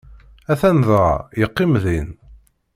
Atan dɣa, yeqqim din.